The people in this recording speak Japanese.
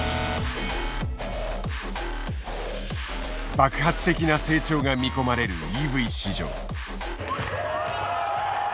爆発的な成長が見込まれるＥＶ市場。